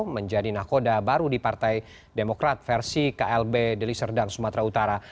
menjadi nakoda baru di partai demokrat versi klb deliserdang sumatera utara